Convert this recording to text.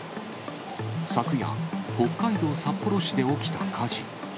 昨夜、北海道札幌市で起きた火事。